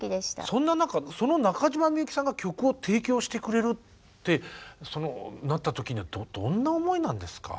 そんな中その中島みゆきさんが曲を提供してくれるってなった時にはどんな思いなんですか？